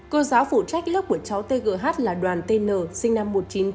cô giáo phụ trách lớp của cháu tê gỡ hát là đoàn tn sinh năm một nghìn chín trăm chín mươi tám